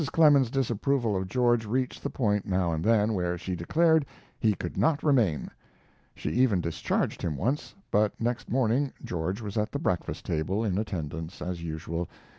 Clemens's disapproval of George reached the point, now and then, where she declared he could not remain. She even discharged him once, but next morning George was at the breakfast table, in attendance, as usual.